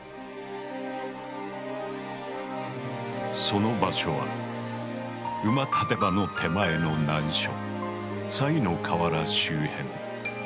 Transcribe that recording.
その場所は馬立場の手前の難所賽の河原周辺。